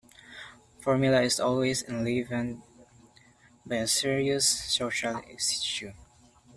Formula is always enlivened by a serious social issue.